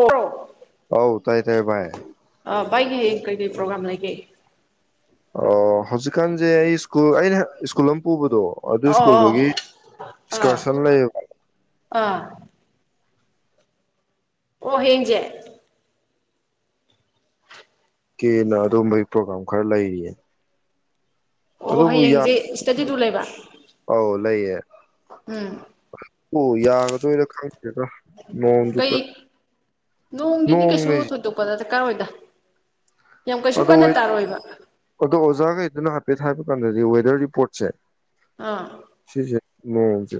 ꯑꯣ ꯍꯥꯎ ꯇꯥꯏ ꯇꯥꯏ ꯥꯏ ꯕꯥꯒꯤꯌꯦ ꯀꯩꯀꯩ ꯄ꯭ꯔꯣꯒ꯭ꯔꯥꯝ ꯂꯩꯒꯦ ꯑꯣ ꯍꯧꯖꯤꯛꯀꯥꯟ ꯑꯩ ꯁꯀꯨ ꯑꯩꯅ ꯁꯀꯨꯂꯨꯝ ꯎꯕꯗꯣ ꯑꯗꯨ ꯑꯣ ꯑꯣ ꯁ꯭ꯀꯨꯜꯗꯨꯒꯤ ꯑꯥ ꯑꯦꯛꯁꯀꯔꯁꯟ ꯂꯩꯌꯦꯕ ꯑꯥ ꯑꯣ ꯍꯖꯦ ꯀꯦꯅ ꯑꯗꯨꯝꯕꯒꯤ ꯄ꯭ꯔꯣꯒꯥꯝ ꯈꯔ ꯂꯩꯔꯤ ꯑꯣ ꯑꯗꯨꯕꯨ ꯍꯌꯦꯡꯁꯦ ꯏꯁꯇꯗꯤ ꯇꯨꯔ ꯂꯩꯕ ꯑꯧ ꯂꯩꯌꯦꯦ ꯎꯝ ꯑꯣ ꯌꯥꯒꯗꯣꯏꯔ ꯈꯪꯗꯦꯗ ꯅꯣꯡꯁꯨ ꯀꯩ ꯅꯣꯡꯅꯦꯁ ꯆꯀꯥ ꯑꯣꯏꯗ ꯌꯥꯝ ꯀꯩꯁꯨ ꯑꯗ ꯀꯟꯅ ꯇꯥꯔꯣꯏꯕ ꯑꯗꯨꯗ ꯑꯣꯖꯒ ꯏꯅ ꯍꯥ ꯦꯠ ꯍꯥꯏꯕ ꯀꯥꯟꯗꯗꯤ ꯋꯦꯗꯔ ꯔꯤꯄꯣꯔꯠꯁꯦ ꯑꯥ ꯃꯣꯡꯁꯦ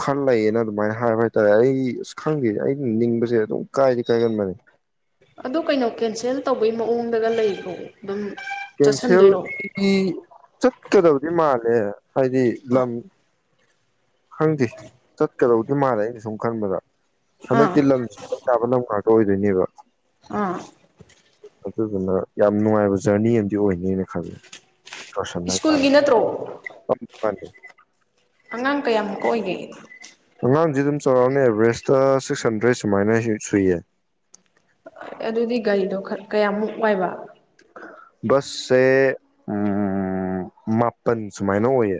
ꯈꯜꯂꯌꯦꯅ ꯑꯗꯨꯃꯥꯏꯅ ꯍꯥꯏꯕ ꯍꯥꯏꯇꯥꯔꯦ ꯑꯩ ꯑꯁ ꯈꯪꯗꯦ ꯑꯩꯅ ꯅꯤꯡꯕꯁꯦ ꯑꯗꯨꯝ ꯀꯥꯏꯗꯤ ꯀꯥꯏꯒꯟꯕꯅꯦ ꯑꯗꯨ ꯀꯩꯅꯣ ꯀꯦꯟꯁꯦꯜ ꯇꯧꯕꯩ ꯃꯑꯣꯡꯗꯒ ꯂꯩꯈꯣ ꯑꯗꯨꯝ ꯆꯠꯁꯟꯗꯣꯏꯔꯣ ꯀꯦꯟꯁꯦꯜꯒꯤ ꯆꯠꯀꯗꯕꯗꯤ ꯃꯥꯜꯂꯦ ꯍꯥꯏꯗꯤ ꯑꯥ ꯂꯝ ꯈꯪꯗꯦ ꯆꯠꯀꯗꯧꯗꯤ ꯃꯥꯜꯂꯦ ꯑꯩꯅ ꯁꯨꯝ ꯈꯟꯕꯗ ꯑꯥ ꯍꯟꯗꯛꯇꯤ ꯂꯝꯁꯤ ꯇꯥꯕ ꯂꯝ ꯉꯥꯛꯇ ꯑꯣꯏꯗꯣꯏꯅꯦꯕ ꯑꯥ ꯑꯗꯨꯗꯨꯅ ꯌꯥꯝ ꯅꯨꯡꯉꯥꯏꯕ ꯖꯔꯅꯤ ꯑꯃꯗꯤ ꯑꯣꯏꯅꯦꯅ ꯈꯜꯂꯦ ꯁ꯭ꯀꯨꯜꯒꯤ ꯅꯠꯇ꯭ꯔꯣ ꯃꯥ ꯑꯉꯥꯡ ꯀꯌꯥꯃꯨꯀ ꯑꯣꯏꯒꯦ ꯑꯉꯥꯡꯁꯤ ꯑꯗꯨꯝ ꯆꯥꯎꯔꯥꯛꯅꯤ ꯑꯦꯚꯔꯦꯁꯇ ꯁꯤꯛꯁ ꯍꯟꯗ꯭ꯔꯦꯗ ꯁꯨꯃꯥꯏꯅ ꯁꯨꯏꯌꯦ ꯑꯗꯨꯗꯤ ꯒꯥꯔꯤꯗꯣ ꯀꯌꯥꯃꯨꯛ ꯋꯥꯏꯕ ꯕꯁꯁꯦ ꯎ ꯃꯥꯄꯜ ꯁꯨꯃꯥꯏꯅ ꯑꯣꯏꯌꯦ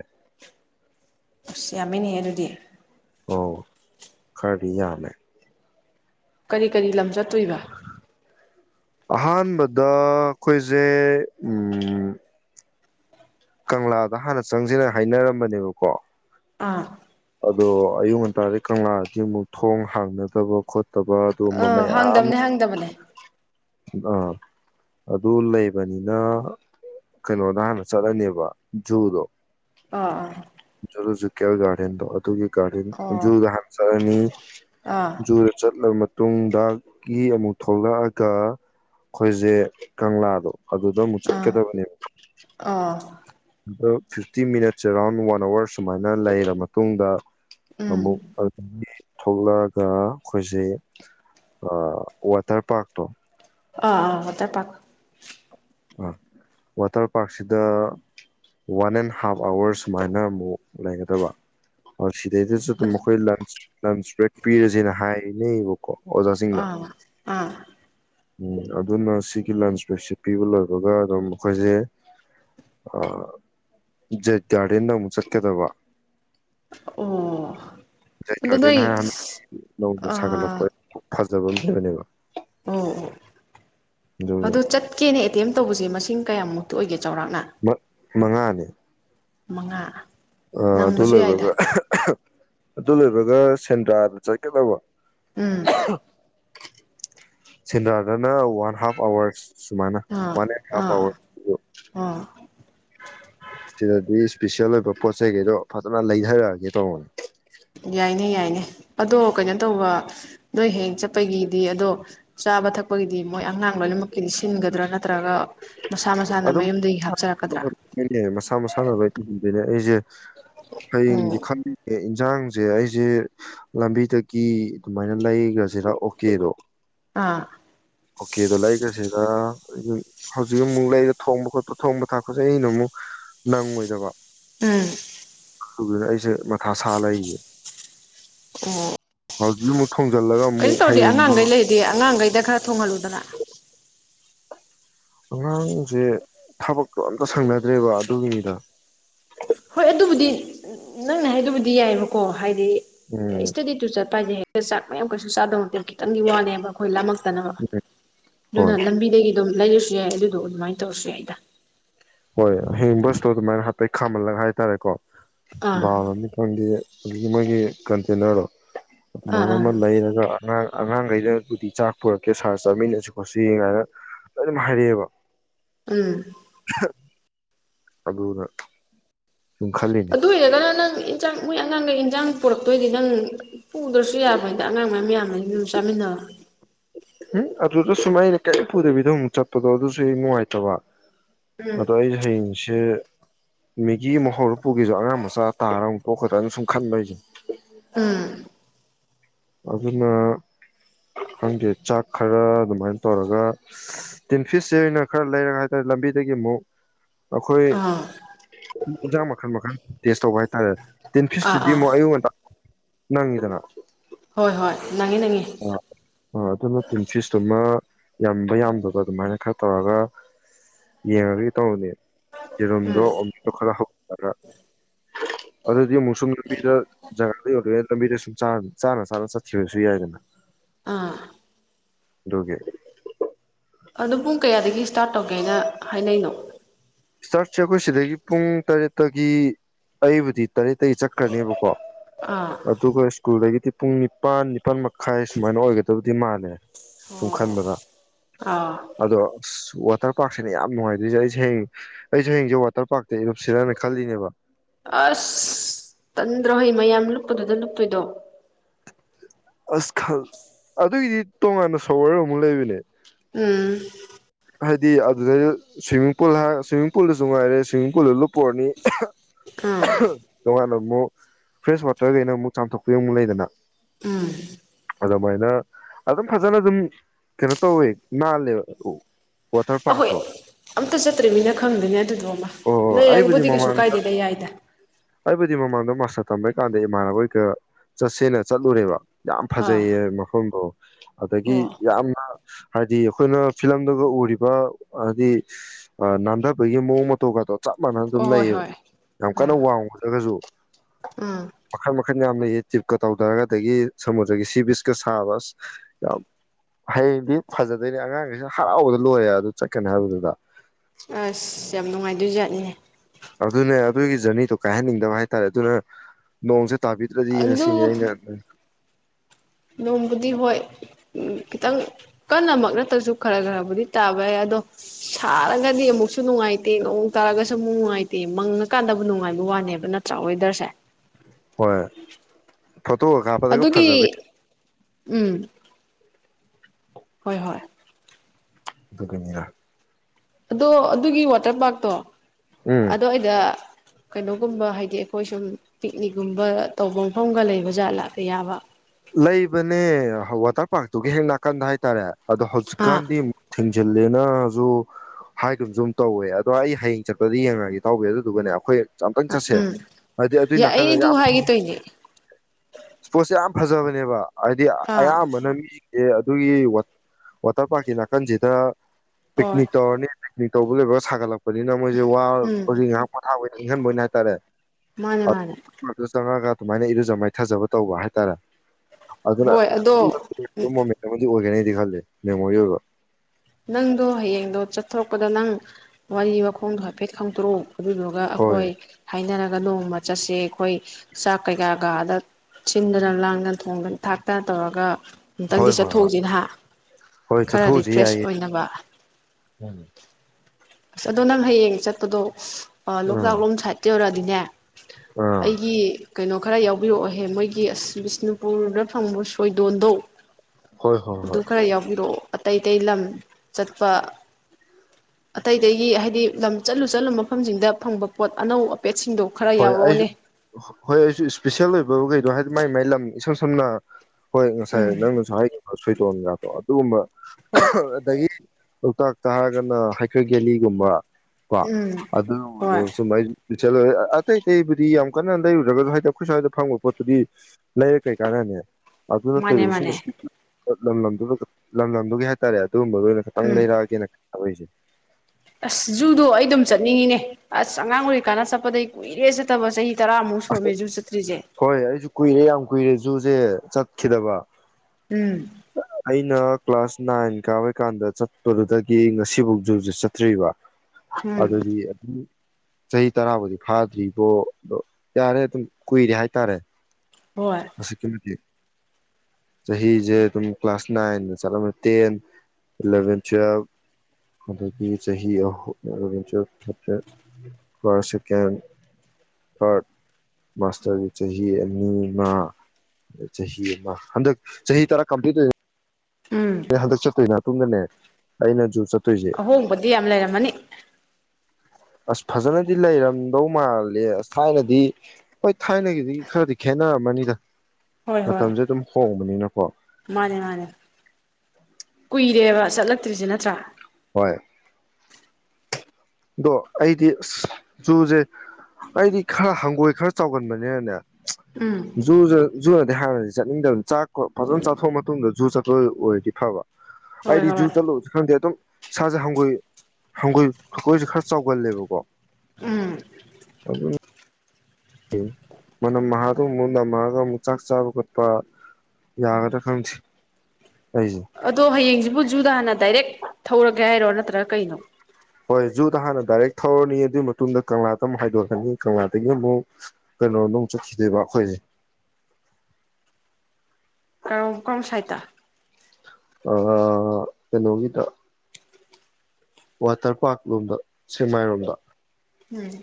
ꯑꯁ ꯌꯥꯝꯃꯤꯟꯅ ꯑꯗꯨꯗꯤ ꯑꯣ ꯈꯔꯤꯌꯥꯅ ꯀꯔꯤ ꯀꯔꯤ ꯂꯝ ꯆꯠ ꯇꯏꯕ ꯑꯍꯥꯟꯕꯗ ꯑꯩꯈꯣꯏꯁꯦ ꯎ ꯀꯪꯂꯥꯗ ꯍꯥꯟꯅ ꯆꯪꯁꯤꯅ ꯍꯥꯏꯅꯔꯝꯕꯅꯦꯕꯀꯣ ꯑꯥ ꯑꯗꯣ ꯑꯌꯨꯛ ꯉꯟꯇꯥꯗꯤ ꯀꯪꯂꯥꯗꯤ ꯑꯃꯨꯛ ꯊꯣꯡ ꯍꯥꯡꯅꯗꯕ ꯈꯣ ꯑ ꯍꯥꯡꯗꯕꯅꯦ ꯍꯥꯡꯗꯕꯅꯦ ꯑꯥ ꯑꯗꯨ ꯂꯩꯕꯅꯤꯅ ꯀꯩꯅꯣꯗ ꯍꯥꯟꯅ ꯆꯠꯂꯅꯦꯕ ꯖꯨꯗꯣ ꯑꯥ ꯑ ꯁꯨꯛꯦ ꯒꯥꯔꯤꯦꯟꯗꯣ ꯑꯗꯨꯒꯤ ꯒꯥ ꯔ ꯑꯣ ꯍꯥ ꯑꯅꯤ ꯑꯥ ꯔ ꯆ ꯇꯨꯡꯗꯒꯤ ꯑꯃꯨꯛ ꯊꯣꯛꯂꯛꯑꯒ ꯑꯩꯈꯣꯏꯁꯦ ꯀꯪꯂꯥꯗꯣ ꯑꯗꯨꯗ ꯑꯃꯨꯛ ꯑꯥ ꯆꯠꯀꯗꯕꯅꯦꯕ ꯑꯥ ꯑꯗꯣ fifty minutes around one hour ꯁꯨꯃꯥꯏꯅ ꯂꯩꯔ ꯃꯇꯨꯡꯗ ꯎꯝ ꯑꯃꯣ ꯊꯣꯛꯂꯛꯑꯒ ꯑꯩꯈꯣꯏꯁꯦ ꯋꯥꯇꯔ ꯄꯥꯔꯛꯇꯣ ꯑ ꯑ ꯑꯣꯠꯇ ꯄꯥ ꯑꯥ ꯋꯥꯇꯔ ꯄꯥꯔꯛꯁꯤꯗ ꯋꯥꯟ ꯑꯦꯟ ꯍꯥꯐ ꯑꯥꯋꯥꯔ ꯁꯨꯃꯥꯏꯅ ꯑꯃꯨꯛ ꯂꯩꯒꯗꯕ ꯍꯣꯏ ꯁꯤꯗꯩꯗꯁꯨ ꯑꯗꯨ ꯃꯈꯣꯏ ꯂ ꯂꯁ ꯕ꯭ꯔꯦꯛ ꯄꯤꯔꯁꯦꯅ ꯍꯥꯏꯔꯤꯅꯦꯕ ꯑꯥ ꯑꯥ ꯎꯝ ꯑꯗꯨꯅ ꯁꯤꯒꯤ ꯂꯟꯁ ꯕꯦꯛꯁꯦ ꯄꯤꯕ ꯂꯣꯏꯕꯒ ꯑꯗꯨꯝ ꯑꯩꯈꯣꯏꯁꯦ ꯖꯦꯠ ꯒꯥꯔꯗꯦꯟꯗ ꯑꯃꯨꯛ ꯆꯠꯀꯗꯕ ꯑꯣ ꯑꯗꯨ ꯒꯥꯔꯗꯦꯟ ꯅꯣꯏ ꯍꯥꯏꯔ ꯍꯥꯟꯅ ꯂꯅ ꯁꯥꯒꯠꯂꯛꯄ ꯑꯥ ꯐꯖ ꯖꯕ ꯀꯣ ꯑꯣ ꯑꯣ ꯑꯗꯨ ꯆꯠꯀꯦꯅꯦ ꯦꯝ ꯇꯧꯕꯁꯦ ꯃꯁꯤꯡ ꯀꯌꯥꯃꯨꯛꯇ ꯑꯣꯏꯒꯅꯤꯦ ꯆꯥꯎꯔꯥꯛꯅ ꯃꯉꯥꯅꯤ ꯃꯉꯥ ꯑ ꯑꯗꯨ ꯅꯪꯕꯁꯨ ꯌꯥꯏꯗ ꯂꯣꯏꯕꯒ ꯑꯗꯨ ꯂꯣꯏꯕꯒ ꯁꯦꯟꯗ꯭ꯔꯥꯗ ꯆꯠꯀꯗꯧꯕ ꯎꯝ ꯁꯦꯟꯗ꯭ꯔꯥꯗꯅ ꯋꯥ ꯑꯦꯟ ꯍꯥꯐ ꯑꯋꯥꯔꯁ ꯁꯃꯅ ꯑꯥ ꯑꯥ ꯑꯥ ꯏꯁꯄꯤꯁꯦꯜ ꯑꯣꯏꯕ ꯄꯣꯠ ꯆꯩꯀꯩꯒꯩꯗꯣ ꯐꯖꯅ ꯂꯩꯊꯔꯛꯑꯒꯦ ꯇꯧꯕꯅꯦ ꯌꯥꯏꯅꯦ ꯌꯥꯏꯅꯦ ꯑꯗꯣ ꯀꯩꯅꯣ ꯇꯧꯕ ꯅꯣꯏ ꯍꯦꯛ ꯆꯠꯄꯒꯤꯗꯤ ꯑꯗꯣ ꯆꯥꯕ ꯊꯛꯄ ꯈꯣꯏꯗꯤ ꯃꯣꯏ ꯑꯉꯥꯡ ꯂꯣꯏꯅꯃꯛꯀꯤꯗꯤ ꯁꯤꯟꯒꯗ꯭ꯔꯥ ꯅꯠꯇꯥ ꯇ꯭ꯔꯒ ꯑꯗꯨꯝ ꯃꯁꯥ ꯃꯁꯥꯅꯩꯗꯣꯏꯅꯦ ꯑꯩꯁꯦ ꯍꯌꯦꯡꯁꯦ ꯑꯣ ꯈꯪꯅꯤꯡꯉꯦ ꯏꯟꯖꯥꯡꯁꯦ ꯑꯩꯁꯦ ꯂꯝꯕꯤꯗꯒꯤ ꯑꯗꯨꯃꯥꯏꯅ ꯂꯩꯒ꯭ꯔꯥꯁꯤꯔ ꯑꯣꯀꯦꯗꯣ꯫ ꯑꯥ ꯑꯣꯀꯦꯗꯣ ꯂꯩꯈ꯭ꯔꯁꯤꯔ꯫ [unintelligible] ꯍꯧꯖꯤꯛ ꯑꯃꯨꯛ ꯂꯩꯔꯒ ꯊꯣꯡꯕ ꯈꯣꯠꯄ ꯊꯣꯡꯕ ꯊꯥꯛꯄꯁꯦ ꯑꯩꯅ ꯑꯃꯨꯛ ꯅꯪꯉꯣꯏꯗꯕ꯫ ꯎꯝ ꯑꯗꯨꯗꯨꯅ ꯑꯩꯁꯦ ꯃꯊꯥ ꯁꯥ ꯂꯩꯔꯤꯌꯦ꯫ ꯑꯣ꯫ [unintelligible] ꯀꯩꯅꯣ ꯑꯃꯨꯛ ꯇꯧꯔꯗꯤ ꯍꯌꯦꯡꯗꯣ ꯑꯉꯥꯡꯒꯩ ꯂꯩꯔꯗꯤ ꯑꯉꯥꯡꯒꯩꯗ꯫ ꯈꯔ ꯊꯣꯡꯍꯜꯂꯨꯗꯅ꯫ ꯑꯉꯥꯡꯁꯦ ꯊꯕꯛꯇꯣ ꯑꯃꯝꯇ ꯁꯪꯅꯗ꯭ꯔꯦꯕ ꯑꯗꯨꯒꯤꯅꯤꯗ꯫ ꯍꯣꯏ ꯑꯗꯨꯕꯨꯗꯤ ꯅꯪꯅ ꯍꯥꯏꯗꯨꯕꯨꯗꯤ ꯌꯥꯏꯑꯦꯕꯀꯣ꯫ ꯍꯥꯏꯗꯤ ꯎꯝ ꯏꯁꯇꯗꯤ ꯇꯨꯔ ꯆꯠꯄ ꯍꯥꯏꯁꯦ꯫ [unintelligible] ꯆꯥꯛ ꯃꯌꯥꯝ ꯀꯩꯁꯨ ꯆꯥꯗꯧꯕ ꯅꯠꯇꯦꯕ꯫ ꯈꯤꯇꯪꯒꯤ ꯋꯥꯅꯦꯕ ꯑꯩꯈꯣꯏ ꯂꯥꯝꯃꯛꯇꯅꯕ ꯑꯗꯨꯅ ꯍꯣꯏ ꯂꯝꯕꯤꯗꯒꯤ ꯑꯗꯨꯝ꯫ ꯂꯩꯔꯁꯨ ꯌꯥꯏ ꯑꯗꯨꯗꯣ ꯑꯗꯨꯃꯥꯏꯅ ꯇꯧꯔꯁꯨ ꯌꯥꯏꯗ ꯍꯣꯏ ꯍꯌꯦꯡ [unintelligible] ꯍꯥꯐꯦꯠ ꯈꯥꯝꯃꯜꯂꯒ ꯍꯥꯏꯇꯥꯔꯦꯀꯣ꯫ ꯑꯥ ꯕꯥꯅꯤ [unintelligible] ꯑꯗꯒꯤ ꯃꯣꯏꯒꯤ ꯀꯟꯇꯦꯟꯅ꯭ꯔꯗꯣ꯫ ꯑꯥ ꯑꯗꯨꯃꯥꯏꯅ ꯑꯥ ꯑꯃ ꯂꯩꯔꯒ ꯑꯉꯥꯡ꯫ ꯑꯉꯥꯡꯈꯩꯅꯕꯨꯗꯤ ꯆꯥꯛ ꯄꯨꯔꯛꯀꯦ ꯁꯥꯔ ꯆꯥꯃꯤꯟꯅꯁꯤ ꯈꯣꯠꯁꯤ ꯀꯥꯏꯅ ꯂꯣꯏꯅꯃꯛ ꯍꯥꯏꯔꯛꯑꯦꯕ꯫ ꯎꯝ ꯑꯗꯨꯅ ꯁꯨꯝ ꯈꯜꯂꯤꯅꯦ ꯑꯗꯨ ꯑꯣꯏꯔꯒꯅ ꯅꯪ꯫ ꯏꯟꯁꯥꯡ ꯃꯣꯏ ꯑꯉꯥꯡꯒꯩ ꯏꯟꯖꯥꯡ ꯄꯨꯣꯔꯛꯇꯣꯏꯗꯤ ꯅꯪ ꯄꯨꯗ꯭ꯔꯁꯨ ꯌꯥꯕꯅꯤꯗ ꯑꯉꯥꯡ ꯃꯌꯥꯝ ꯃꯌꯥꯝꯕ [unintelligible] ꯎꯝ ꯁꯃꯤꯅꯥꯥ ꯎꯝ ꯑꯗꯨꯗ ꯁꯨꯃꯥꯏꯅ ꯀꯔꯤ ꯄꯨꯗꯕꯤꯗ ꯑꯃꯨꯛ ꯆꯠꯄꯗꯣ ꯑꯗꯨꯁꯨ ꯍꯦꯛ ꯅꯨꯡꯉꯥꯏꯇꯕ꯫ ꯑꯗꯣ ꯑꯩꯗꯤ ꯍꯌꯦꯡꯁꯦ꯫ ꯃꯦꯒꯤ ꯑꯃꯨꯛ ꯍꯧꯔꯒ ꯄꯨꯒꯦꯁꯨ ꯑꯉꯥꯡ ꯃꯆꯥ ꯇꯥꯔꯒ ꯑꯃꯨꯛ ꯇꯣꯛꯀꯗ꯭ꯔꯥꯅ ꯁꯨꯝ ꯈꯟꯕ ꯑꯩꯁꯦ꯫ ꯑꯥ ꯑꯗꯨꯅ ꯈꯪꯗꯦ ꯆꯥꯛ ꯈꯔ ꯑꯗꯨꯃꯥꯏꯅ ꯇꯧꯔꯒ ꯇꯤꯟ ꯐꯤꯁꯁꯦ ꯑꯩꯅ ꯈꯔ ꯂꯩꯔꯦ ꯍꯥꯏꯇꯥꯔꯦ ꯂꯝꯕꯤꯗꯒꯤ ꯑꯃꯨꯛ ꯑꯩꯈꯣꯏ ꯑꯥ [unintelligible] ꯃꯈꯜ ꯃꯈꯜ ꯇꯦꯁ ꯇꯧꯕ ꯍꯥꯏ [unintelligible] ꯇꯤꯟ ꯑꯥ ꯐꯤꯁꯇꯨꯗꯤ ꯑꯥ ꯑꯃꯨꯛ ꯑꯌꯨꯛ ꯉꯟꯇ ꯅꯪꯅꯤꯗꯅ꯫ ꯍꯣꯏ ꯍꯣꯏ ꯅꯪꯉꯦ ꯅꯪꯉꯦ ꯑ ꯑꯗꯨꯅ ꯇꯤꯟꯁꯤꯁ ꯊꯨꯃ ꯌꯥꯝꯕ ꯌꯥꯝꯗꯕ ꯑꯗꯨꯃꯥꯏꯅ ꯈꯔ ꯇꯧꯔꯒ ꯌꯦꯡꯉꯒ ꯇꯧꯕꯔꯅꯦ ꯆꯔꯟꯗ꯭ꯔ ꯎꯝ ꯑꯛꯇ ꯈ ꯑ ꯑꯗꯨꯗꯤ ꯃꯨꯛꯁꯨꯝ ꯂꯝꯝꯕꯤꯗ ꯖꯒꯥꯗ ꯑꯣꯏꯔ ꯇꯕꯤꯔ ꯁꯨꯝ ꯆꯥꯅ ꯆꯥꯅ ꯆꯠꯈꯤꯕꯁꯨ ꯌꯥꯏꯗꯅ ꯑꯥ ꯗꯣꯛꯒꯦ ꯑꯗꯣ ꯄꯨꯡ ꯀꯌꯥꯗꯒꯤ ꯏꯁꯇꯥꯔꯠ ꯇꯧꯒꯦꯅ ꯍꯥꯏꯅꯩꯅꯣ ꯏꯁꯇꯥꯔꯠꯁꯦ ꯑꯩꯈꯣꯏ ꯁꯤꯗꯒꯤ ꯄꯨꯡ ꯇꯔꯦꯠꯇꯒꯤ ꯑꯩꯕꯨꯗꯤ ꯇꯔꯦꯠꯇꯒꯤ ꯆꯠꯈ꯭ꯔꯅꯦꯕꯀꯣ ꯀꯣ ꯑꯥ ꯑꯗꯨꯗꯨ ꯀ ꯁ꯭ꯀꯨꯜꯗꯒꯤꯗꯤ ꯄꯨꯡ ꯅꯤꯄꯥꯟ ꯅꯤꯄꯥꯜ ꯃꯈꯥꯏ ꯁꯨꯃꯥꯏꯅ ꯑꯣꯏꯒꯗꯕꯗꯤ ꯃꯥꯜꯂꯦ ꯁꯨꯝ ꯈꯟꯕꯗ ꯑꯥ ꯑꯗꯣ ꯋꯥꯇꯔ ꯄꯥꯔꯛꯁꯤꯅ ꯌꯥꯝ ꯅꯨꯡꯉꯥꯏ꯭ꯣꯏꯁꯦ ꯑꯩ ꯁꯦꯡ ꯑꯩꯁꯨꯦ ꯍꯌꯦꯡꯁꯦ ꯋꯥꯇꯔ ꯄꯥꯔꯛꯇꯒꯤꯔꯨꯞꯁꯤꯔꯅ ꯈꯜꯂꯤꯅꯦꯕ ꯑꯁ ꯇꯟꯗ꯭ꯔꯣ ꯍꯩ ꯃꯌꯥꯝ ꯂꯨꯞꯄꯗꯨꯗ ꯂꯨꯞꯇꯣꯏꯗꯣ ꯑꯁ ꯑꯗꯨꯒꯤꯗꯤ ꯇꯣꯉꯥꯟꯅ ꯁꯣꯋꯔ ꯑꯃꯨꯛ ꯂꯩꯕꯅꯦ ꯎꯝ ꯍꯥꯏꯗꯤ ꯑꯗꯨꯗꯩ ꯁ꯭ꯋꯤꯝꯃꯤꯡ ꯄꯨꯜ ꯍꯥꯏ ꯁ꯭ꯋꯤꯝꯃꯤꯡ ꯄꯨꯜꯗꯁꯨ ꯉꯥꯏꯔꯦ ꯁ꯭ꯋꯤꯝꯃꯤꯡ ꯄꯨꯜꯗ ꯂꯨꯞ ꯄꯔꯅꯤ ꯑꯥ ꯇꯣꯉꯥꯟꯅ ꯑꯃꯨꯛ ꯐ꯭ꯔꯦꯁ ꯋꯥꯇꯔꯈꯩꯅ ꯑꯃꯨꯛ ꯆꯥꯝꯊꯣꯛꯄꯒꯤ ꯑꯃꯨꯛ ꯂꯩꯗꯅ ꯎꯝ ꯑꯗꯨꯃꯥꯏꯅ ꯑꯗꯨꯝ ꯐꯖꯅ ꯑꯗꯨꯝ ꯀꯩꯅꯣ ꯇꯧꯋꯦ ꯅꯥꯜꯂꯦꯕ ꯋꯥꯇꯔ ꯑꯩꯈꯣꯏ ꯄꯥꯔꯛꯇꯣ ꯑꯝꯇ ꯆꯠꯇ꯭ꯔꯤꯃꯤꯅ ꯈꯪꯗꯅꯦ ꯑꯗꯨ ꯣꯝꯕ ꯑꯣ ꯑꯩꯕꯨꯗꯤ ꯅꯕꯨꯗꯤ ꯀꯩꯁꯨ ꯃꯃꯥꯡꯗ ꯀꯥꯏꯗꯦꯗ ꯌꯥꯏꯗ ꯑꯩꯕꯨꯗꯤ ꯃꯃꯥꯡꯗꯣ ꯃꯥꯁꯇꯔ ꯇꯝꯕꯩ ꯀꯥꯟꯗ ꯏꯃꯥꯟꯅꯕꯣꯏꯒ ꯆꯠꯁꯦꯅ ꯆꯠꯂꯨꯔꯦꯕ ꯌꯥꯝ ꯑꯥ ꯐꯖꯩꯌꯦ ꯃꯐꯝꯗꯣ ꯑꯗꯒꯤ ꯑꯣ ꯌꯥꯝꯅ ꯍꯥꯏꯗꯤ ꯑꯩꯈꯣꯏꯅ ꯐꯤꯂꯝꯗꯨꯒ ꯎꯔꯤꯕ ꯍꯥꯏꯗꯤ ꯅꯥꯟꯊꯕꯒꯤ ꯃꯑꯣꯡ ꯃꯇꯧꯒꯗꯣ ꯆꯞ ꯃꯥꯟꯅ ꯑꯗꯨꯝ ꯑꯣ ꯍꯣꯏ ꯂꯩꯌꯦꯕ ꯍꯣꯏ ꯌꯥꯝ ꯀꯟꯅ ꯑꯥ ꯋꯥꯡ ꯀꯖꯛ ꯑꯥ ꯋꯥꯈꯟ ꯌꯥꯝ ꯂꯩꯌꯦ ꯇ꯭ꯔꯤꯞꯀ ꯇꯧꯗꯔꯒ ꯑꯗꯒꯤ ꯁꯃꯨꯗ꯭ꯔꯒꯤ ꯁꯤ ꯕꯤꯆꯀ ꯁꯥꯕ ꯌꯥꯝ ꯍꯌꯦꯡꯗꯤ ꯐꯖꯗꯣꯏꯅꯦ ꯑꯉꯥꯡꯈꯩꯁ ꯍꯔꯥꯎꯕꯗ ꯂꯣꯏꯔꯦ ꯑꯗꯨ ꯆꯠꯀꯅꯤ ꯍꯥꯏꯕꯗꯨꯗ ꯑꯁ ꯌꯥꯝ ꯅꯨꯡꯉꯥꯏꯗꯨꯣꯏꯖꯥ ꯎ ꯑꯗꯨꯅꯦ ꯑꯗꯨꯒꯤ ꯖꯔꯅꯤꯗꯣ ꯀꯥꯏꯍꯟꯅꯤꯡꯗꯕ ꯍꯥꯏꯇꯥꯔꯦ ꯑꯗꯨꯅ ꯅꯣꯡꯁ ꯇꯥꯕꯤꯗ꯭ꯔꯗꯤꯅ ꯑꯗꯨ ꯁꯤꯅꯦ ꯑꯩꯅ ꯅꯣꯡꯕꯨꯗꯤ ꯍꯣꯏ ꯎ ꯈꯤꯇꯪ ꯀꯟꯅꯃꯛ ꯅꯠꯇ꯭ꯔꯁꯨ ꯈꯔ ꯈꯔꯕꯨꯗꯤ ꯇꯥꯕ ꯌꯥꯏ ꯑꯗꯣ ꯁꯥꯔꯒꯗꯤ ꯑꯃꯨꯛꯁꯨ ꯅꯨꯡꯉꯥꯏꯇꯦ ꯅꯣꯡ ꯇꯥꯔꯒꯁꯨ ꯑꯃꯨꯛ ꯅꯨꯡꯉꯥꯏꯇꯦ ꯃꯪꯉꯀꯥꯟꯗꯕꯨ ꯅꯨꯡꯉꯥꯏꯕ ꯋꯥꯅꯦꯕ ꯅꯠꯇ꯭ꯔꯥ ꯋꯦꯗꯔꯁꯦ ꯍꯣꯏ ꯐꯣꯇꯣꯒ ꯀꯥꯞꯄꯗꯒ ꯑꯗꯨꯒꯤ ꯐꯖꯕꯩ ꯎꯝ ꯍꯣꯏ ꯍꯣꯏ ꯑꯗꯨ ꯀꯅꯤꯔꯥ ꯑꯗꯣ ꯑꯗꯨꯒꯤ ꯋꯥꯇꯔ ꯄꯥꯔꯛꯇꯣ ꯎꯝ ꯑꯗꯨꯗꯋꯥꯏꯗ ꯀꯩꯅꯣꯒꯨꯝꯕ ꯍꯥꯏꯗꯤ ꯑꯩꯈꯣꯏ ꯁꯨꯝ ꯄꯤꯛꯅꯤꯛꯒꯨꯝꯕ ꯇꯧꯕ ꯃꯐꯝꯒ ꯂꯩꯕ ꯖꯥꯠ ꯂꯥꯛꯄ ꯌꯥꯕ ꯂꯩꯕꯅꯦ ꯋꯥꯇꯔ ꯄꯥꯔꯛꯇꯨꯒꯤ ꯍꯦꯛ ꯅꯥꯀꯟꯗ ꯍꯥꯏꯇꯥꯔꯦ ꯑꯗ ꯑꯥ ꯍꯧꯖꯤꯛꯀꯥꯟꯗꯤ ꯃꯊꯖꯂꯦ ꯅꯁꯨꯨ ꯍꯥꯏꯗꯨꯝꯁꯨꯨꯝ ꯇꯧꯋꯦ ꯑꯗꯣ ꯑꯩ ꯍꯌꯦꯡ ꯆꯠꯄꯗ ꯌꯦꯡꯉꯛꯒꯦ ꯇꯧꯋꯦ ꯑꯗꯨꯗꯨꯒꯅꯦ ꯑꯩꯈꯣꯏ ꯑꯝꯇꯪ ꯆꯠꯁꯦ ꯎꯝ ꯍꯥꯏꯗꯤ ꯑꯗꯨꯒꯤ ꯅꯥꯀꯟꯗ ꯑꯩ ꯑꯗꯨ ꯌꯥꯝ ꯍꯥꯏꯒꯦ ꯇꯧꯅꯦ ꯏꯁꯄꯣꯔꯠꯁꯦ ꯌꯥꯝ ꯐꯖꯕꯅꯦꯕ ꯍꯥꯏꯗꯤ ꯑꯥ ꯑꯌꯥꯝꯕꯅ ꯑꯦ ꯑꯗꯨꯒꯤ ꯋꯥꯇꯔ ꯄꯥꯔꯛꯀꯤ ꯅꯥꯀꯟꯁꯤꯗ ꯍꯣꯏ ꯄꯤꯛꯅꯤ ꯇꯔꯅꯤ ꯃꯤꯇꯧꯕ ꯂ ꯂꯩꯕ ꯁꯒꯠꯂꯛꯄ ꯀꯅ ꯃꯣꯏꯁꯦ ꯋꯥꯔꯤꯡꯥ ꯄꯊꯥ ꯑꯣꯏ ꯏꯪꯍꯟꯕ ꯑꯣꯏꯅ ꯍꯥꯏꯇꯥꯔꯦ ꯃꯥꯅꯦꯦ ꯃꯥꯅꯦꯦ ꯑꯗꯨ ꯆꯪꯉꯒ ꯑꯗꯨꯃꯥꯏꯅ ꯏꯔꯨꯖ ꯃꯥꯏꯊꯥꯖꯕ ꯇꯧꯕ ꯍꯥꯏ ꯇꯔꯥ ꯑꯗꯨꯅꯣ ꯍꯣꯏ ꯑꯗꯣ ꯑꯣꯅꯥ [unintelligible] ꯅꯦꯃꯣꯔꯤ ꯑꯣꯏꯕꯥ ꯅꯪꯗꯣ ꯍꯌꯦꯡꯗꯣ ꯆꯠꯊꯣꯔꯛꯄꯗ ꯅꯪ ꯋꯥꯔꯤ ꯋꯥꯈꯣꯡꯗꯣ ꯍꯥꯏꯐꯦꯠ ꯈꯥꯡꯗꯣꯔꯛꯎ ꯑꯗꯨꯗꯨꯒ ꯍꯣꯏ ꯑꯩꯈꯣꯏ ꯍꯥꯏꯅꯔꯒ ꯒ ꯅꯣꯡꯃ ꯆꯠꯁꯦ ꯑꯩꯈꯣꯏ ꯆꯥꯛ ꯀꯩꯀꯥ ꯀꯒꯥꯗ ꯁꯤꯟꯗꯅ ꯂꯥꯡꯅ ꯊꯣꯡꯗꯅ ꯊꯥꯛꯇ ꯇꯧꯔꯒ ꯑꯃꯨꯛꯇꯪꯗꯤ ꯍꯣꯏ ꯍꯣꯏ ꯍꯣꯏ ꯆꯠꯊꯣꯛꯎꯁꯤ ꯅꯍꯥꯛ ꯈꯔ ꯔꯤꯐ꯭ꯔꯦꯁ ꯑꯣꯏꯅꯕ ꯎꯝ ꯑꯁ ꯑꯗꯣ ꯅꯪ ꯍꯌꯦꯡ ꯆꯠꯄꯗꯣ ꯑ ꯂꯣꯛꯇꯥꯛ ꯎꯝ ꯂ‌ꯣꯝ ꯁꯥꯏꯠꯇ ꯑꯣꯏꯔ ꯑꯗꯨꯅ ꯑꯥ ꯑꯩꯒꯤ ꯀꯩꯅꯣ ꯈꯔ ꯌꯥꯎꯕꯤꯔꯛꯑꯣꯍꯦ ꯃꯣꯏꯒꯤ ꯑꯁ ꯕꯤꯁꯅꯨꯄꯨꯔꯗ ꯐꯪꯕ ꯁꯣꯏꯗꯣꯟꯗꯣ ꯍꯣꯏ ꯍꯣꯏ ꯑꯗꯨ ꯍꯣꯏ ꯈꯔ ꯌꯥꯎꯕꯤꯔꯛꯑꯣ ꯑꯇꯩ ꯑꯇꯩ ꯂꯝ ꯆꯠꯄ ꯑꯇꯩꯗꯒꯤ ꯍꯥꯏꯗꯤ ꯂꯝ ꯆꯠꯂꯨ ꯆꯠꯂꯨ ꯃꯐꯝꯁꯤꯡꯗ ꯐꯪꯕ ꯄꯣꯠ ꯑꯅꯧ ꯑꯄꯦ ꯍꯣꯏ ꯑꯩꯁꯨ ꯍꯣꯏ ꯑꯩꯁꯨ ꯏꯁꯄꯤꯁꯦꯜ ꯑꯣꯏꯕꯩꯗꯣ ꯍꯥꯏ ꯃꯥꯏ ꯃꯥꯏꯂꯝ ꯏꯁꯨꯝ ꯁꯝꯅ ꯍꯣꯏ ꯉꯁꯥꯏ ꯎꯝ ꯅꯪꯅꯁꯨ ꯍꯥꯏꯒ ꯁꯣꯏꯇꯣꯟꯒꯇꯣ ꯑꯗꯨꯒꯨꯝꯕ ꯍꯣꯏ ꯑꯗꯒꯤ ꯂꯣꯛꯇꯥꯛꯇ ꯍꯥꯏꯔꯒꯅ ꯍ‌‌ꯩꯗꯔꯛ ꯌ‌ꯦꯂꯤꯒꯨꯝꯕ ꯋꯥ ꯎꯝ ꯑꯗꯨꯗ ꯑ ꯍꯣꯏ ꯁꯨꯃꯥꯏ ꯆꯂꯣꯍ‌ꯦ ꯑꯥꯁ ꯑꯇꯩ ꯑꯇꯩꯕꯨꯗꯤ ꯌꯥꯝ ꯀꯟꯅ ꯂꯩꯔꯨꯗꯔꯒꯁꯨ ꯍꯥꯏꯗꯤ ꯑꯩꯈꯣꯏ ꯁ꯭ꯋꯥꯏꯗ ꯐꯪꯕ ꯄꯣꯠꯇꯨꯗꯤ ꯂꯩꯔꯦ ꯀꯩꯀꯥꯟꯅꯅꯦ ꯑꯗꯨ ꯃꯥꯅꯦ ꯅꯠꯇꯕꯤꯗ ꯃꯥꯅꯦ ꯁꯨꯝꯕꯁꯤ ꯂꯝꯂꯝꯗꯨꯒꯤ ꯍꯥꯏꯇꯥꯔꯦ ꯑꯗꯨꯒꯨꯝꯝꯕꯗꯨ ꯑꯣꯏꯅ ꯈꯤꯛꯇꯪ ꯎꯝ ꯂꯩꯔꯛꯑꯒꯦꯅꯥ [unintelligible] ꯑꯁ ꯖꯨꯗꯣ ꯑꯩ ꯑꯗꯨꯝ ꯆꯠꯅꯤꯡꯉꯤꯅꯦ ꯑꯁ ꯑꯉꯥꯡ ꯑꯣꯏꯔꯤꯀꯥꯟꯗ ꯆꯠꯄꯗꯩ ꯀꯨꯏꯔꯦ ꯆꯠꯇꯕ ꯆꯍꯤ ꯇꯔꯥꯃꯨꯛ ꯁꯨꯔꯝꯃꯦ ꯖꯨ ꯆꯠꯇ꯭ꯔꯤꯁꯦ ꯍꯣꯏ ꯑꯩꯁꯨ ꯀꯨꯏꯔꯦ ꯌꯥꯝ ꯀꯨꯏꯔꯦ ꯖꯨꯁꯦ ꯆꯠꯈꯤꯗꯕ ꯎꯝ ꯑꯩꯅ ꯀ꯭ꯂꯥꯁ ꯅꯥꯏꯟ ꯀꯥꯕꯏ ꯀꯥꯟꯗ ꯆꯠꯄꯗꯨꯗꯒꯤ ꯉꯁꯤꯐꯥꯎ ꯖꯨꯁꯦ ꯆꯠꯇ꯭ꯔꯤꯕ ꯎꯝ ꯑꯗꯤ ꯆꯍꯤ ꯇꯔꯥꯕꯨꯗꯤ ꯐꯥꯗ꯭ꯔꯤꯕꯣ ꯑꯗꯣ ꯌꯥꯔꯦ ꯑꯗꯨꯝ ꯀꯨꯏꯔꯦ ꯍꯥꯏꯇꯥꯔꯦ ꯍꯣꯏ ꯑꯁꯨꯛ ꯀꯤ ꯃꯇꯤꯛ ꯆꯍꯤꯖꯦ ꯑꯗꯨꯝ ꯀ꯭ꯂꯥꯁ ꯅꯥꯏꯟꯗ ꯆꯠꯂꯝꯃꯦ ꯇꯦꯟ ꯏꯂꯚꯦꯟ ꯇꯨꯋꯜꯐ ꯑꯗꯒꯤ ꯆꯍꯤ ꯑꯍꯨꯝ ꯑꯦꯂꯚꯦꯟ ꯇꯨꯋꯜꯞ ꯆꯠꯇ꯭ꯔ‌ꯦ ꯐꯥꯔꯁ ꯁꯦꯀꯦꯟ ꯊꯥꯔꯠ ꯃꯥꯁꯇ꯭ꯔꯒꯤ ꯆꯍꯤ ꯑꯅꯤꯃꯥ ꯆꯍꯤ ꯑꯃ ꯍꯟꯗꯛ ꯆꯍꯤ ꯇꯔꯥ ꯀꯝꯄ꯭ꯂꯤꯠ ꯂꯩꯔꯦ ꯎꯝ ꯑꯩ ꯍꯟꯗꯛ ꯆꯠꯇꯣꯏ ꯅꯦ ꯇꯨꯡꯅꯅꯦ ꯑꯩꯅꯖꯨꯆꯠ ꯑꯍꯣꯡꯕꯗꯤ ꯌꯥꯝ ꯂꯩꯔꯝꯃꯅꯤ ꯑꯁ ꯐꯖꯅꯗꯤ ꯂꯩꯔꯝꯗꯧ ꯃꯥꯜꯂꯦ ꯑꯁ ꯊꯥꯏꯅꯗꯤ ꯍꯣꯏ ꯊꯥꯏꯅꯒꯤꯗꯤ ꯈꯔꯗꯤ ꯈꯦꯠꯅꯔꯝꯃꯅꯤꯗ ꯍꯣꯏ ꯍꯣꯏ ꯃꯇꯝꯁꯦ ꯑꯗꯨꯝ ꯍꯣꯡꯕꯅꯤꯅꯀꯣ ꯃꯥꯅꯦ ꯃꯥꯅꯦ ꯀꯨꯏꯔꯦꯕ ꯆꯠꯂꯛꯇ꯭ꯔꯤꯖꯦ ꯅꯠꯇ꯭ꯔꯥ ꯍꯣꯏ ꯑꯗꯣ ꯑꯩꯗꯤ ꯑꯁ ꯆꯨꯖꯦ ꯑꯩꯗꯤ ꯈꯔ ꯍꯪꯒꯣꯏ ꯈꯔ ꯆꯥꯎꯒꯟꯕꯅꯤꯅꯅꯦ ꯎꯝ ꯨꯖꯨꯗ ꯖꯨꯨꯔꯗꯤ ꯍꯥꯟꯅꯗꯤ ꯆꯠꯅꯤꯡꯗꯕꯅꯤ ꯆꯥꯛ ꯍꯣꯏ ꯐꯖꯅ ꯆꯥꯊꯣꯛꯑ ꯃꯇꯨꯡꯗ ꯖꯨ ꯆꯠꯄ ꯑꯣꯏꯔꯗꯤ ꯐꯕ ꯑꯩ ꯍꯣꯏ ꯗꯤ ꯖꯨ ꯍꯣꯏ ꯆꯠꯂꯣꯖꯨ ꯈꯪꯗꯦ ꯗꯨꯝ ꯏꯁꯥꯖꯦ ꯍꯪꯒꯣꯏ ꯍꯪꯒꯣꯏ ꯍꯪꯒꯣꯏꯁꯦ ꯈꯔ ꯆꯥꯎꯒꯜꯂꯦꯕꯀꯣ ꯎꯝ ꯑꯗꯨ ꯃꯅꯝ ꯃꯍꯥꯗꯨ ꯑꯃꯨꯛ ꯅꯃꯛꯑꯒ ꯑꯃꯨꯛ ꯆꯥꯛ ꯆꯥꯕ ꯈꯣꯠꯄ ꯌꯥꯒꯗ꯭ꯔꯥ ꯈꯪꯗꯦ ꯑꯩꯁꯦ ꯑꯗꯣ ꯍꯌꯦꯡꯖꯤ ꯕꯨ ꯖꯨꯗ ꯍꯥꯟꯅ ꯗꯥꯏꯔꯦꯛ ꯊꯧꯔꯒꯦ ꯍꯥꯏꯔꯣ ꯅꯠꯇ ꯭ꯇꯔ ꯀꯩꯅꯣ ꯍꯣꯏ ꯖꯨꯗ ꯍꯥꯟꯅ ꯗꯥꯏꯔꯦꯛ ꯊꯧꯔꯅꯤ ꯑꯗꯨꯏ ꯃꯇꯨꯡꯗ ꯀꯪꯂꯥꯗ ꯑꯃꯨꯛ ꯍꯥꯏꯗꯣꯔꯛꯂꯅꯤ ꯀꯪꯂꯥꯗꯒꯤ ꯑꯃꯨꯛ ꯀꯩꯅꯣꯗꯣ ꯑꯃꯨꯛ ꯆꯠꯈꯤꯗꯩꯕ ꯑꯩꯈꯣꯏꯁꯦ ꯀꯔꯣꯝ ꯀꯔꯣꯝ ꯁꯥꯏꯠꯇꯥ ꯑꯥ ꯀꯩꯅꯣꯒꯤꯗ ꯋꯥꯇꯔ ꯄꯥꯔꯛ ꯂꯣꯝꯗ ꯁꯦꯛꯃꯥꯏꯔꯣꯝꯗ ꯎꯝ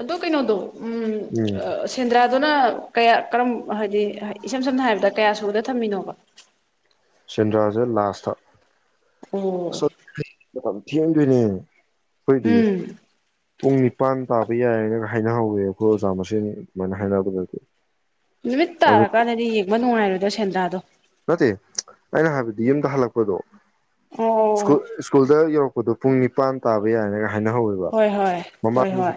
ꯑꯗꯣ ꯀꯩꯅꯣꯗꯣ ꯎꯝ ꯎꯝ ꯁꯦꯟꯗ꯭ꯔꯥꯗꯨꯅ ꯀꯌꯥ ꯀꯔꯝ ꯍꯥꯏꯗꯤ ꯏꯁꯝ ꯁꯝꯅ ꯍꯥꯏꯔꯕꯗ ꯀꯌꯥ ꯁꯨꯕꯗ ꯊꯝꯃꯤꯅꯣꯕ ꯁꯦꯟꯗ꯭ꯔꯥꯁꯦ ꯂꯥꯁꯇ ꯑꯣ ꯃ ꯊꯦꯡꯗꯣꯏꯅꯦ ꯑꯩꯈꯣꯏꯗꯤ ꯎꯝ ꯄꯨꯡ ꯅꯤꯄꯥꯟ ꯇꯥꯕ ꯌꯥꯏꯌꯦꯅꯒ ꯍꯥꯏꯅꯍꯧꯋꯦ ꯑꯩꯈꯣꯏ ꯑꯣꯖꯥ ꯃꯁꯦꯟꯅꯤ ꯑꯗꯨꯃꯥꯏꯅ ꯍꯥꯏꯅꯕꯗꯗꯤ ꯅꯨꯃꯤꯠ ꯑꯗꯨ ꯇꯥꯔꯀꯥꯟꯗꯗꯤ ꯌꯦꯡꯕ ꯅꯨꯡꯉꯥꯏꯔꯣꯏ ꯗꯣ ꯁꯦꯟꯗ꯭ꯔꯥꯗꯣ ꯅꯠꯇꯦ ꯑꯩꯅ ꯍꯥꯏꯕꯗꯤ ꯌꯨꯝꯗ ꯍꯜꯂꯛꯄꯗꯣ ꯁ꯭ꯀꯨꯜ ꯑꯣ ꯁ꯭ꯀꯨꯜꯗ ꯌꯧꯔꯛ ꯑꯣ ꯄꯨꯡ ꯅꯤꯄꯥꯟ ꯇꯥꯕ ꯌꯥꯌꯦꯅꯒ ꯍꯣꯏ ꯍꯣꯏ ꯍꯣꯏ ꯍꯣꯏ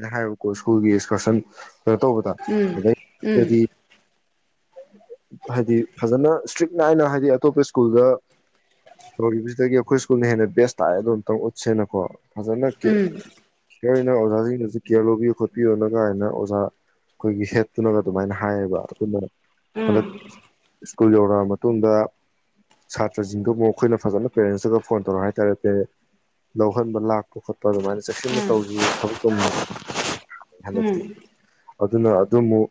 ꯀ ꯍꯥꯏꯕ ꯀꯣ ꯁꯀꯨꯜꯒꯤ ꯏꯁꯀꯔꯁꯟ ꯀꯩꯅꯣ ꯇꯧꯕꯗ ꯎꯝ ꯑꯗꯩ ꯎꯝ ꯗꯗꯤ ꯍꯥꯏꯗꯤ ꯐꯖꯅ ꯏꯁꯇ꯭ꯔꯤꯛ ꯅꯥꯏꯅ ꯍꯥꯏꯗꯤ ꯑꯇꯣꯞꯄ ꯁ꯭ꯀꯨꯜꯗ ꯇꯧꯔꯤꯕꯁꯤꯗꯒꯤ ꯑꯩꯈꯣꯏ ꯁ꯭ꯀꯨꯜꯅ ꯍꯦꯟꯅ ꯕꯦꯁ ꯇꯥꯛꯔꯦꯗꯣ ꯑꯝꯇꯪ ꯎꯠꯁꯦꯅꯀꯣ ꯐꯖꯅ ꯎꯝ ꯀꯌꯔ ꯑꯣꯏꯅ ꯑꯣꯖꯥꯁꯤꯡꯅꯁꯨ ꯀꯦꯌꯔ ꯂꯧꯕꯤꯌꯨ ꯈꯣꯠꯄꯤꯌꯣꯅ ꯀꯥꯏꯅ ꯑꯣꯖꯥ ꯑꯩꯈꯣꯏꯒꯤ ꯍꯦꯠꯇꯨꯅꯒ ꯑꯗꯨꯃꯥꯏꯅ ꯍꯥꯏꯌꯦꯕ ꯑꯗꯨꯝꯕꯅ ꯑꯝ ꯁ꯭ꯀꯨꯜ ꯌꯧꯔꯛꯑ ꯃꯇꯨꯡꯗ ꯁꯥꯇ꯭ꯔꯁꯤꯡꯗꯣꯃꯨꯛ ꯈꯣꯏꯅ ꯐꯖꯅ ꯄꯦꯔꯦꯟꯁꯇꯒ ꯐꯣꯟ ꯇꯧꯔ ꯍꯥꯏꯇꯥꯔꯦ ꯄꯦꯔꯠ ꯂꯧꯍꯟꯕ ꯂꯥꯛ ꯄꯨ ꯈꯣꯠꯄ ꯑꯗꯨꯃꯥꯏꯅ ꯆꯦꯛꯁꯤꯟꯅ ꯎꯝ ꯇꯧꯒꯤ ꯊꯕꯛ ꯇꯧꯅꯤꯡꯉꯦ ꯎꯝ ꯑꯗꯨꯅ ꯑꯗꯨꯃꯨꯛ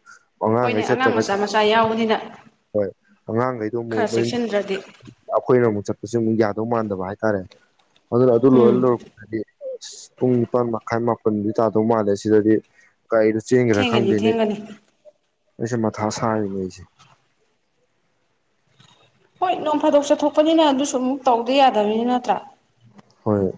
ꯍꯣꯏꯅꯦ ꯑꯉꯥꯡ ꯃꯆꯥ ꯃꯆꯥ ꯌꯥꯎꯕꯅꯤꯅ ꯍꯣꯏ ꯑꯉꯥꯡꯉꯩꯗꯣ ꯑꯃꯨꯛ ꯈꯔ ꯃꯌꯨꯝ ꯆꯦꯛꯁꯤꯟꯗ꯭ꯔꯗꯤ ꯑꯩꯈꯣꯏꯅ ꯑꯃꯨꯛ ꯆꯠ ꯨꯍꯧꯖꯤꯛ ꯃꯨꯛ ꯌꯥꯗꯧ ꯃꯥꯟꯗꯕ ꯍꯥꯏꯇꯥꯔꯦ ꯑꯗꯨꯅ ꯑꯗꯨꯂꯣꯏ ꯎꯝ ꯂꯣꯔꯛꯄꯗꯗꯤ ꯑꯁ ꯄꯨꯡ ꯅꯤꯄꯥꯜ ꯃꯈꯥꯏ ꯃꯥꯄꯜꯗꯤ ꯇꯥꯗꯧ ꯃꯥꯜꯂꯦ ꯁꯤꯗꯗꯤ ꯀꯩꯗꯣ ꯆꯦꯟꯒꯦ꯭ꯔꯥ ꯊꯦꯡꯒꯅꯤ ꯈꯪꯗꯦꯅꯦ ꯊꯦꯡꯒꯅꯤ ꯑꯩꯁꯦ ꯃꯊꯥ ꯁꯥꯔꯤꯅꯦ ꯑꯩꯁꯦ ꯍꯣꯏ ꯅꯣꯡ ꯐꯥꯗꯣꯛ ꯆꯠꯊꯣꯛꯄꯅꯤꯅ ꯑꯗꯨꯁꯨ ꯑꯃꯨꯛ ꯇꯧꯗ ꯌꯥꯗꯝꯅꯤꯅ ꯅꯠꯇ꯭ꯔꯥ ꯍꯣꯏ